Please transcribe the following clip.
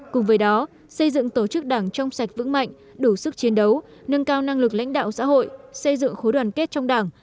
cùng với đó xây dựng tổ chức đảng trong sạch vững mạnh đủ sức chiến đấu nâng cao năng lực lãnh đạo xã hội xây dựng khối đoàn kết trong đảng